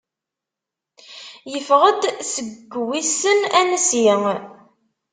Yeffeɣ-d seg wissen ansi.